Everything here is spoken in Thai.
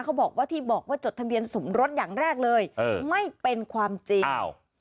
เขาบอกว่าที่บอกว่าจดทะเบียนสมรสอย่างแรกเลยเออไม่เป็นความจริงอ้าว